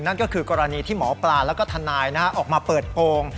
นั่นก็คือกรณีที่หมอปลาแล้วก็ทนายออกมาเปิดโปรง